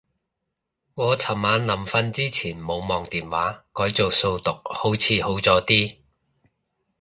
我尋晚臨瞓之前冇望電話，改做數獨好似好咗啲